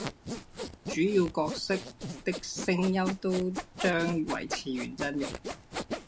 主要角色的声优都将维持原阵容。